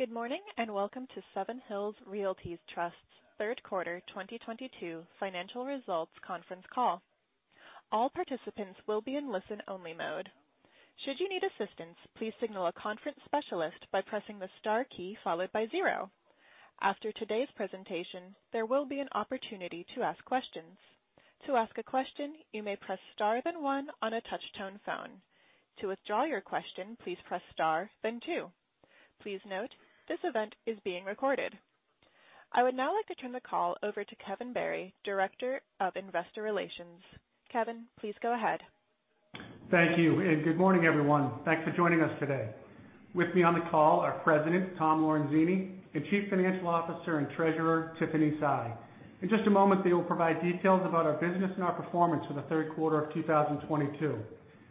Good morning, and welcome to Seven Hills Realty Trust's third quarter 2022 financial results conference call. All participants will be in listen-only mode. Should you need assistance, please signal a conference specialist by pressing the star key followed by zero. After today's presentation, there will be an opportunity to ask questions. To ask a question, you may press star then one on a touch-tone phone. To withdraw your question, please press star then two. Please note, this event is being recorded. I would now like to turn the call over to Kevin Barry, Director of Investor Relations. Kevin, please go ahead. Thank you, and good morning, everyone. Thanks for joining us today. With me on the call are President Tom Lorenzini and Chief Financial Officer and Treasurer Tiffany Sy. In just a moment, they will provide details about our business and our performance for the third quarter of 2022.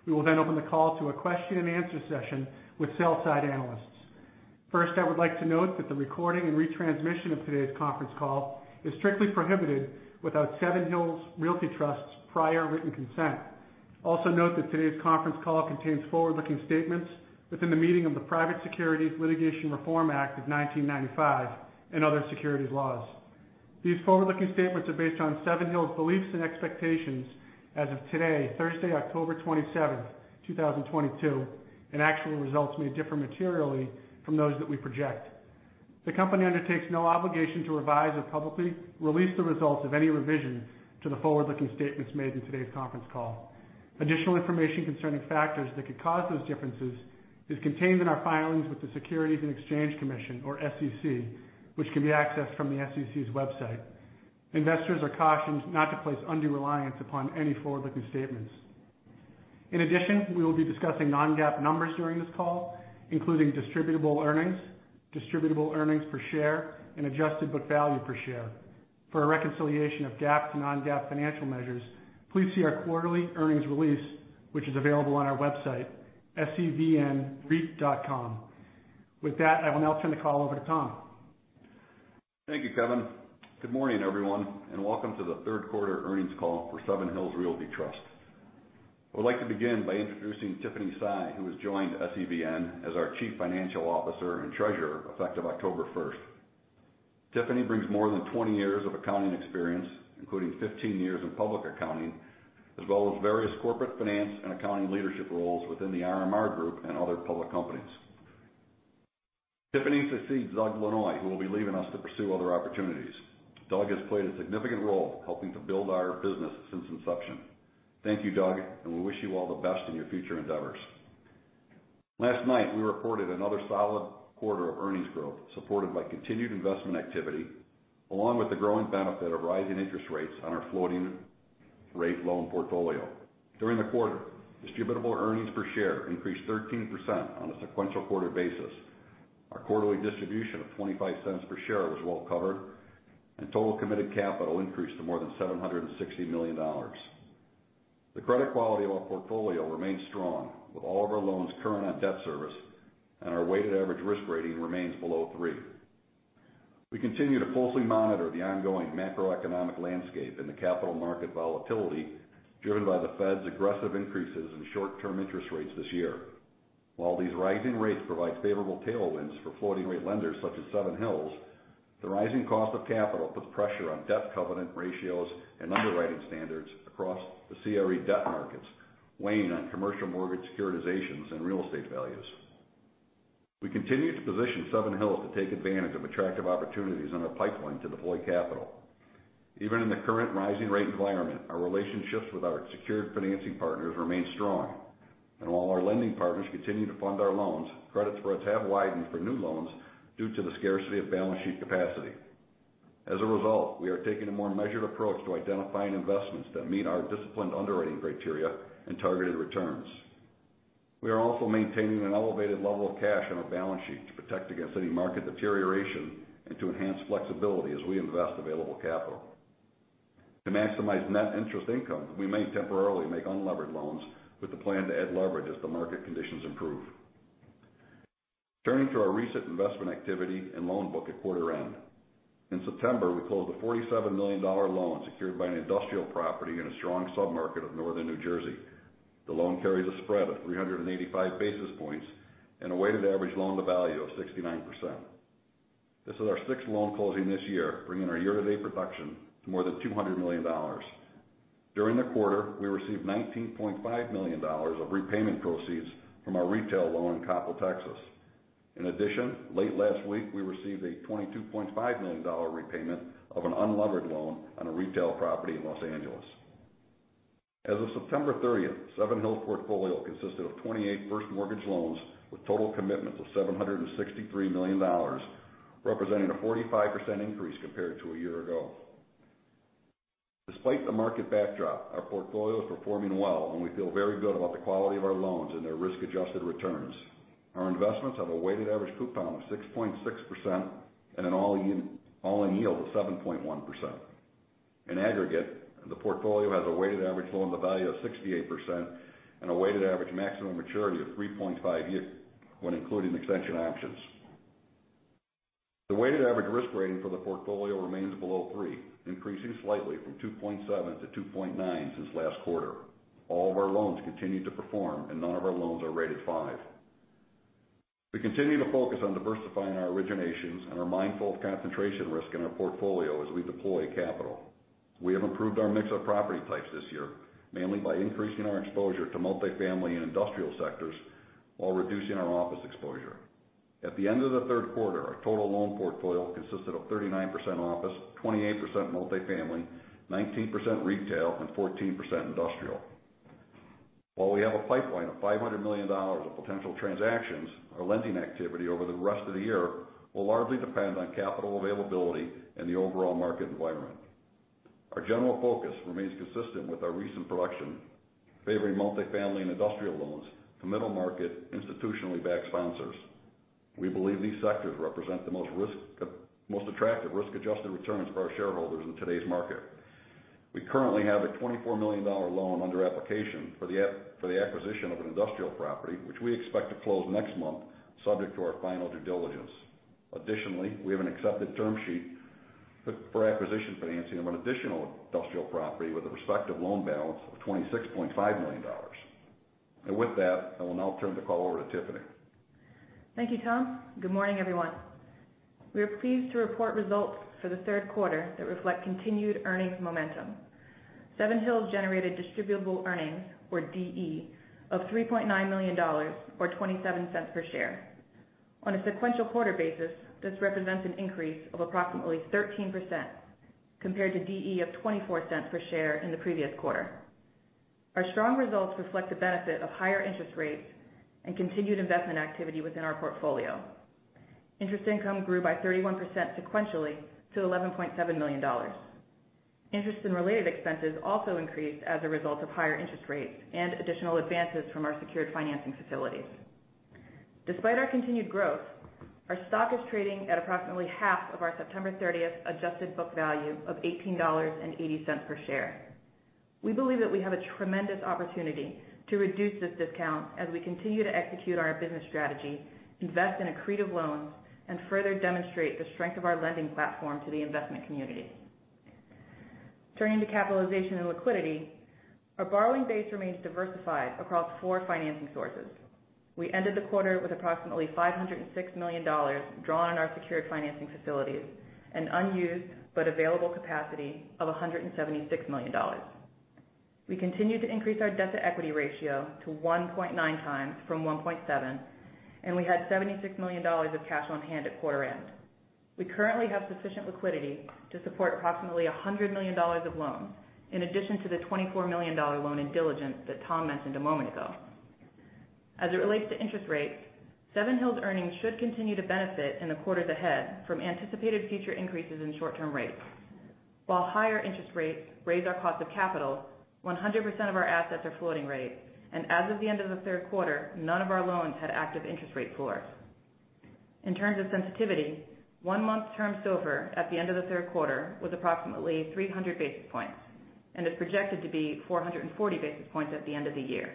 We will then open the call to a question-and-answer session with sell side analysts. First, I would like to note that the recording and retransmission of today's conference call is strictly prohibited without Seven Hills Realty Trust's prior written consent. Also note that today's conference call contains forward-looking statements within the meaning of the Private Securities Litigation Reform Act of 1995 and other securities laws. These forward-looking statements are based on Seven Hills' beliefs and expectations as of today, Thursday, October 27, 2022, and actual results may differ materially from those that we project. The company undertakes no obligation to revise or publicly release the results of any revisions to the forward-looking statements made in today's conference call. Additional information concerning factors that could cause those differences is contained in our filings with the Securities and Exchange Commission or SEC, which can be accessed from the SEC's website. Investors are cautioned not to place undue reliance upon any forward-looking statements. In addition, we will be discussing non-GAAP numbers during this call, including distributable earnings, distributable earnings per share, and adjusted book value per share. For a reconciliation of GAAP to non-GAAP financial measures, please see our quarterly earnings release, which is available on our website, sevnreit.com. With that, I will now turn the call over to Tom. Thank you, Kevin. Good morning, everyone, and welcome to the third quarter earnings call for Seven Hills Realty Trust. I would like to begin by introducing Tiffany Sy, who has joined SEVN as our Chief Financial Officer and Treasurer effective October 1st. Tiffany brings more than 20 years of accounting experience, including 15 years in public accounting, as well as various corporate finance and accounting leadership roles within the RMR Group and other public companies. Tiffany succeeds Doug Lanois, who will be leaving us to pursue other opportunities. Doug has played a significant role helping to build our business since inception. Thank you, Doug, and we wish you all the best in your future endeavors. Last night, we reported another solid quarter of earnings growth supported by continued investment activity, along with the growing benefit of rising interest rates on our floating rate loan portfolio. During the quarter, distributable earnings per share increased 13% on a sequential quarter basis. Our quarterly distribution of $0.25 per share was well covered and total committed capital increased to more than $760 million. The credit quality of our portfolio remains strong with all of our loans current on debt service and our weighted average risk rating remains below three. We continue to closely monitor the ongoing macroeconomic landscape and the capital market volatility driven by the Fed's aggressive increases in short-term interest rates this year. While these rising rates provide favorable tailwinds for floating rate lenders such as Seven Hills, the rising cost of capital puts pressure on debt covenant ratios and underwriting standards across the CRE debt markets, weighing on commercial mortgage securitizations and real estate values. We continue to position Seven Hills to take advantage of attractive opportunities in the pipeline to deploy capital. Even in the current rising rate environment, our relationships with our secured financing partners remain strong. While our lending partners continue to fund our loans, credit spreads have widened for new loans due to the scarcity of balance sheet capacity. As a result, we are taking a more measured approach to identifying investments that meet our disciplined underwriting criteria and targeted returns. We are also maintaining an elevated level of cash on our balance sheet to protect against any market deterioration and to enhance flexibility as we invest available capital. To maximize net interest income, we may temporarily make unlevered loans with the plan to add leverage as the market conditions improve. Turning to our recent investment activity and loan book at quarter end. In September, we closed a $47 million loan secured by an industrial property in a strong sub-market of northern New Jersey. The loan carries a spread of 385 basis points and a weighted average loan to value of 69%. This is our sixth loan closing this year, bringing our year-to-date production to more than $200 million. During the quarter, we received $19.5 million of repayment proceeds from our retail loan in Coppell, Texas. In addition, late last week, we received a $22.5 million repayment of an unlevered loan on a retail property in Los Angeles. As of September 30th, Seven Hills' portfolio consisted of 28 first mortgage loans with total commitments of $763 million, representing a 45% increase compared to a year ago. Despite the market backdrop, our portfolio is performing well, and we feel very good about the quality of our loans and their risk-adjusted returns. Our investments have a weighted average coupon of 6.6% and an all-in yield of 7.1%. In aggregate, the portfolio has a weighted average loan to value of 68% and a weighted average maximum maturity of 3.5 years when including extension options. The weighted average risk rating for the portfolio remains below three, increasing slightly from 2.7 to 2.9 since last quarter. All of our loans continue to perform and none of our loans are rated five. We continue to focus on diversifying our originations and are mindful of concentration risk in our portfolio as we deploy capital. We have improved our mix of property types this year, mainly by increasing our exposure to multifamily and industrial sectors while reducing our office exposure. At the end of the third quarter, our total loan portfolio consisted of 39% office, 28% multifamily, 19% retail and 14% industrial. While we have a pipeline of $500 million of potential transactions, our lending activity over the rest of the year will largely depend on capital availability and the overall market environment. Our general focus remains consistent with our recent production, favoring multifamily and industrial loans to middle market institutionally backed sponsors. We believe these sectors represent the most attractive risk-adjusted returns for our shareholders in today's market. We currently have a $24 million loan under application for the acquisition of an industrial property, which we expect to close next month, subject to our final due diligence. Additionally, we have an accepted term sheet for acquisition financing of an additional industrial property with a respective loan balance of $26.5 million. With that, I will now turn the call over to Tiffany. Thank you, Tom. Good morning, everyone. We are pleased to report results for the third quarter that reflect continued earnings momentum. Seven Hills generated distributable earnings, or DE, of $3.9 million or $0.27 per share. On a sequential quarter basis, this represents an increase of approximately 13% compared to DE of $0.24 per share in the previous quarter. Our strong results reflect the benefit of higher interest rates and continued investment activity within our portfolio. Interest income grew by 31% sequentially to $11.7 million. Interest and related expenses also increased as a result of higher interest rates and additional advances from our secured financing facilities. Despite our continued growth, our stock is trading at approximately half of our September 30th adjusted book value of $18.80 per share. We believe that we have a tremendous opportunity to reduce this discount as we continue to execute our business strategy, invest in accretive loans and further demonstrate the strength of our lending platform to the investment community. Turning to capitalization and liquidity, our borrowing base remains diversified across four financing sources. We ended the quarter with approximately $506 million drawn in our secured financing facilities and unused but available capacity of $176 million. We continue to increase our debt-to-equity ratio to 1.9x from 1.7, and we had $76 million of cash on hand at quarter end. We currently have sufficient liquidity to support approximately $100 million of loans in addition to the $24 million loan in diligence that Tom mentioned a moment ago. As it relates to interest rates, Seven Hills earnings should continue to benefit in the quarters ahead from anticipated future increases in short-term rates. While higher interest rates raise our cost of capital, 100% of our assets are floating rate. As of the end of the third quarter, none of our loans had active interest rate floors. In terms of sensitivity, one-month term SOFR at the end of the third quarter was approximately 300 basis points and is projected to be 440 basis points at the end of the year.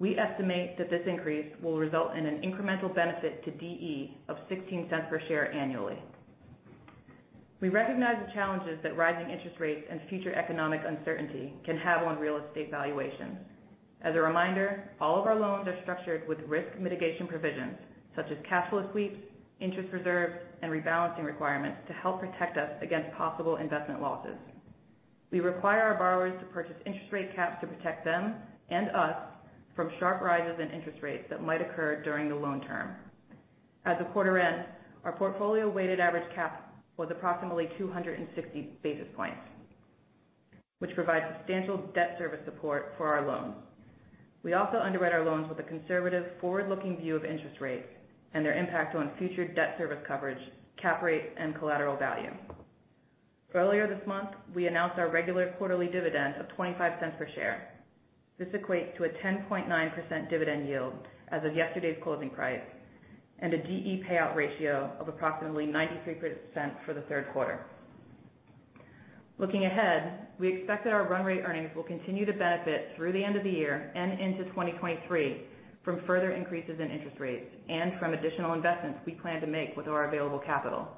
We estimate that this increase will result in an incremental benefit to DE of $0.16 per share annually. We recognize the challenges that rising interest rates and future economic uncertainty can have on real estate valuations. As a reminder, all of our loans are structured with risk mitigation provisions such as cash flow sweeps, interest reserves and rebalancing requirements to help protect us against possible investment losses. We require our borrowers to purchase interest rate caps to protect them and us from sharp rises in interest rates that might occur during the loan term. At the quarter end, our portfolio weighted average cap was approximately 260 basis points, which provides substantial debt service support for our loans. We also underwrite our loans with a conservative forward-looking view of interest rates and their impact on future debt service coverage, cap rate and collateral value. Earlier this month, we announced our regular quarterly dividend of $0.25 per share. This equates to a 10.9% dividend yield as of yesterday's closing price and a DE payout ratio of approximately 93% for the third quarter. Looking ahead, we expect that our run rate earnings will continue to benefit through the end of the year and into 2023 from further increases in interest rates and from additional investments we plan to make with our available capital.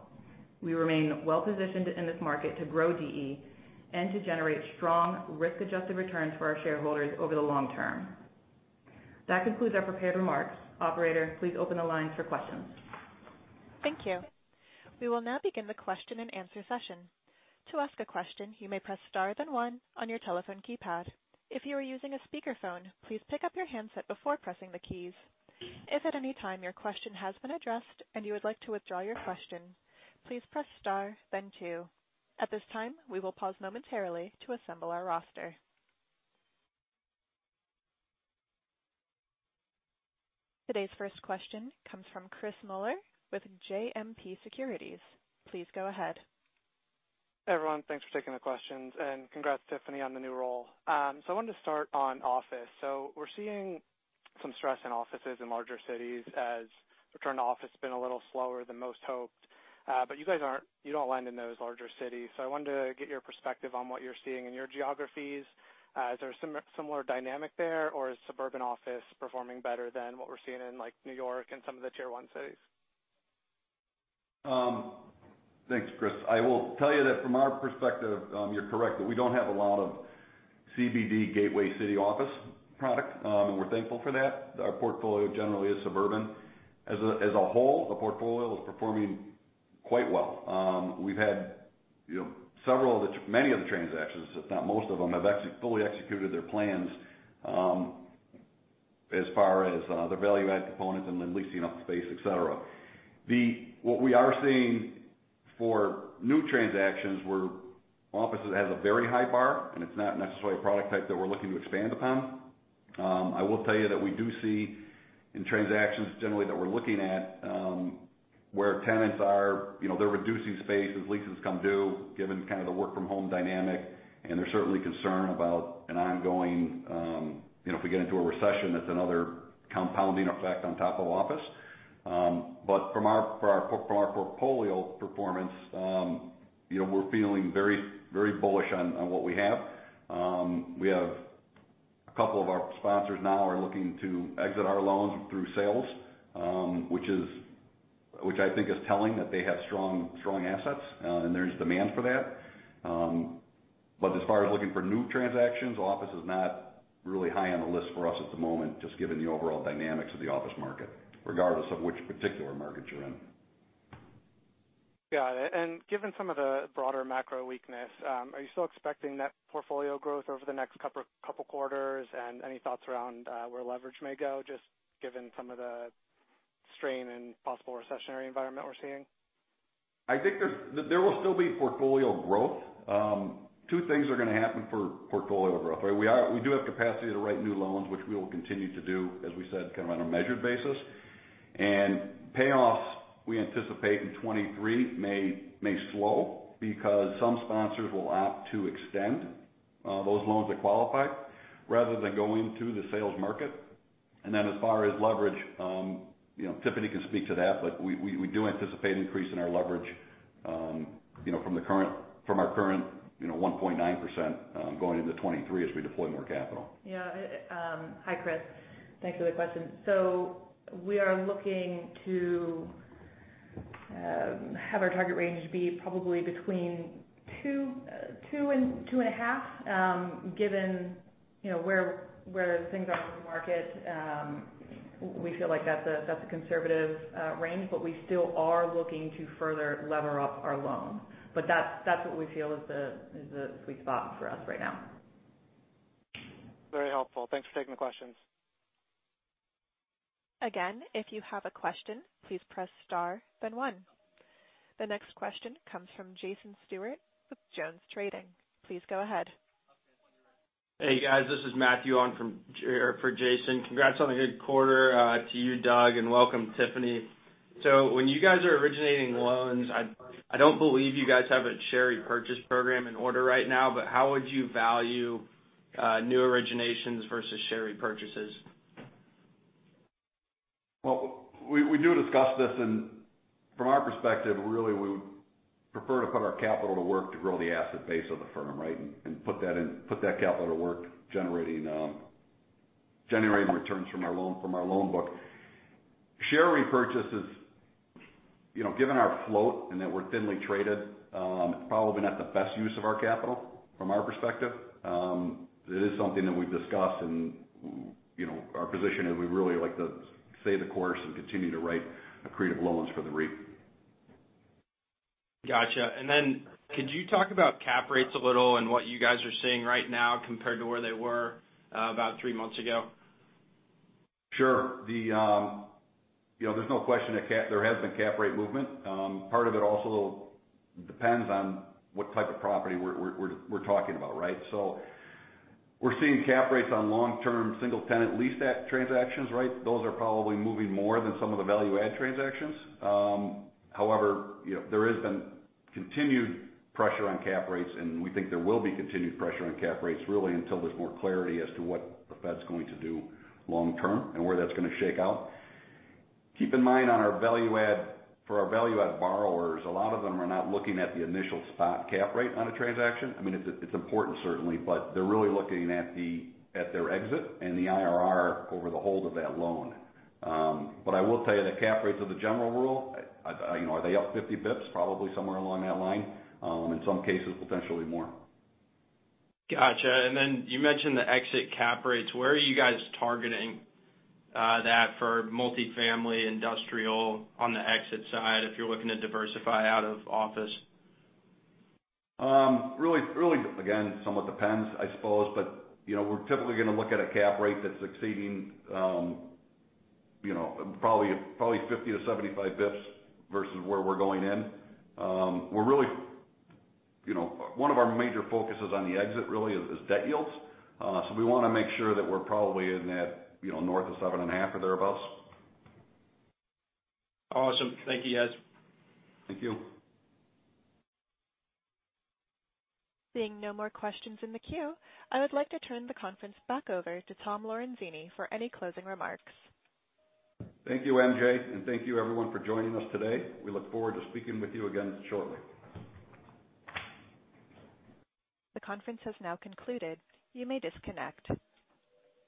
We remain well positioned in this market to grow DE and to generate strong risk-adjusted returns for our shareholders over the long term. That concludes our prepared remarks. Operator, please open the line for questions. Thank you. We will now begin the question-and-answer session. To ask a question, you may press star then one on your telephone keypad. If you are using a speakerphone, please pick up your handset before pressing the keys. If at any time your question has been addressed and you would like to withdraw your question, please press star then two. At this time, we will pause momentarily to assemble our roster. Today's first question comes from Christopher Muller with JMP Securities. Please go ahead. Everyone, thanks for taking the questions and congrats, Tiffany, on the new role. I wanted to start on office. We're seeing some stress in offices in larger cities as return to office has been a little slower than most hoped. But you guys don't lend in those larger cities. I wanted to get your perspective on what you're seeing in your geographies. Is there a similar dynamic there, or is suburban office performing better than what we're seeing in like New York and some of the tier one cities? Thanks, Chris. I will tell you that from our perspective, you're correct, that we don't have a lot of CBD gateway city office product, and we're thankful for that. Our portfolio generally is suburban. As a whole, the portfolio is performing quite well. We've had, you know, many of the transactions, if not most of them, have fully executed their plans, as far as their value add components and then leasing up space, et cetera. What we are seeing for new transactions where office has a very high bar, and it's not necessarily a product type that we're looking to expand upon. I will tell you that we do see in transactions generally that we're looking at, where tenants are, you know, they're reducing space as leases come due given kind of the work from home dynamic, and they're certainly concerned about an ongoing. You know, if we get into a recession, that's another compounding effect on top of office. But from our portfolio performance, you know, we're feeling very bullish on what we have. We have a couple of our sponsors now are looking to exit our loans through sales, which I think is telling that they have strong assets, and there's demand for that. As far as looking for new transactions, office is not really high on the list for us at the moment, just given the overall dynamics of the office market, regardless of which particular markets you're in. Got it. Given some of the broader macro weakness, are you still expecting net portfolio growth over the next couple quarters? Any thoughts around where leverage may go, just given some of the strain and possible recessionary environment we're seeing? I think there will still be portfolio growth. Two things are gonna happen for portfolio growth. We do have capacity to write new loans, which we will continue to do, as we said, kind of on a measured basis. Payoffs we anticipate in 2023 may slow because some sponsors will opt to extend those loans that qualify rather than go into the sales market. Then as far as leverage, you know, Tiffany can speak to that. We do anticipate an increase in our leverage, you know, from our current, you know, 1.9%, going into 2023 as we deploy more capital. Hi, Chris. Thanks for the question. We are looking to have our target range be probably between two and 2.5, given you know where things are in the market. We feel like that's a conservative range, but we still are looking to further lever up our loans. That's what we feel is the sweet spot for us right now. Very helpful. Thanks for taking the questions. Again, if you have a question, please press star then one. The next question comes from Jason Stewart with Jones Trading. Please go ahead. Hey, guys. This is Matthew from Jones Trading for Jason. Congrats on a good quarter to you, Doug, and welcome, Tiffany. When you guys are originating loans, I don't believe you guys have a share repurchase program in order right now, but how would you value new originations versus share repurchases? Well, we do discuss this, and from our perspective, really we would prefer to put our capital to work to grow the asset base of the firm, right? Put that capital to work, generating returns from our loan book. Share repurchases, you know, given our float and that we're thinly traded, it's probably not the best use of our capital from our perspective. It is something that we've discussed and, you know, our position is we really like to stay the course and continue to write accretive loans for the REIT. Gotcha. Could you talk about cap rates a little and what you guys are seeing right now compared to where they were, about three months ago? Sure. You know, there's no question that there has been cap rate movement. Part of it also depends on what type of property we're talking about, right? So we're seeing cap rates on long-term single-tenant leased transactions, right? Those are probably moving more than some of the value add transactions. However, you know, there has been continued pressure on cap rates, and we think there will be continued pressure on cap rates really until there's more clarity as to what the Fed's going to do long term and where that's gonna shake out. Keep in mind on our value add, for our value add borrowers, a lot of them are not looking at the initial spot cap rate on a transaction. I mean, it's important certainly, but they're really looking at their exit and the IRR over the hold of that loan. I will tell you that cap rates as a general rule, I, you know, are they up 50 basis points? Probably somewhere along that line. In some cases, potentially more. Gotcha. You mentioned the exit cap rates. Where are you guys targeting that for multifamily industrial on the exit side if you're looking to diversify out of office? Really, again, somewhat depends, I suppose. You know, we're typically gonna look at a cap rate that's exceeding, you know, probably 50-75 basis points versus where we're going in. We're really, you know, one of our major focuses on the exit really is debt yields. We wanna make sure that we're probably in that, you know, north of 7.5 or thereabouts. Awesome. Thank you, guys. Thank you. Seeing no more questions in the queue, I would like to turn the conference back over to Tom Lorenzini for any closing remarks. Thank you, MJ, and thank you everyone for joining us today. We look forward to speaking with you again shortly. The conference has now concluded. You may disconnect.